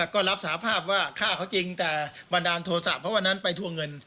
ก็รับสาภาพว่าฆ่าเขาจริงแต่บันดาลโทษะเพราะวันนั้นไปทวงเงิน